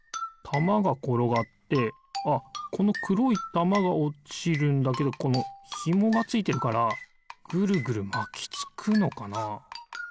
たまがころがってああこのくろいたまがおちるんだけどこのひもがついてるからぐるぐるまきつくのかな。